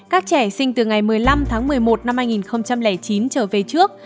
các trẻ sinh từ ngày một mươi năm tháng một mươi một năm hai nghìn chín trở về trước